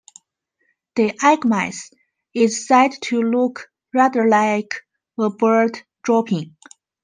The egg mass is said to look rather like a bird dropping.